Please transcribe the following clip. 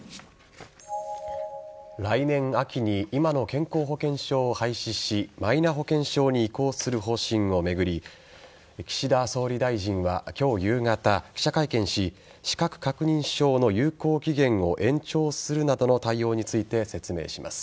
毎年秋に今の健康保険証を廃止しマイナ保険証に移行する方針を巡り岸田総理大臣は今日夕方記者会見し資格確認書の有効期限を延長するなどの対応について説明します。